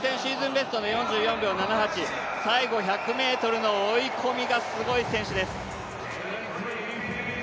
ベストの４４秒７８、最後１００ｍの追い込みがすごい選手です。